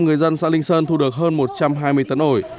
người dân xã linh sơn thu được hơn một trăm hai mươi tấn ổi